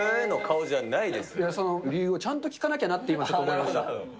いや、その理由をちゃんと聞かなきゃなって思いました。